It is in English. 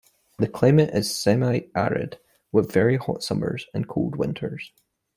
The climate is semi-arid, with very hot summers and cold winters.